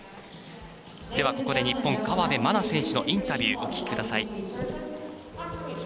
ここで日本、河辺愛菜選手のインタビューお聞きください。